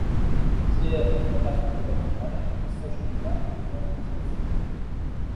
Pierre ne voulut pas le troubler davantage, il s'agenouilla devant le petit bassin.